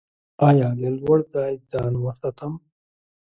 ایا له لوړ ځای ځان وساتم؟